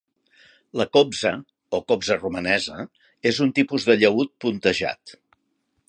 La kobza o cobza romanesa és un tipus de llaüt puntejat.